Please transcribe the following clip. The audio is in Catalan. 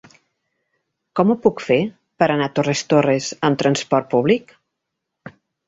Com ho puc fer per anar a Torres Torres amb transport públic?